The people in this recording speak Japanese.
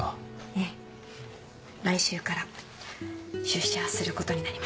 ええ来週から出社することになりました。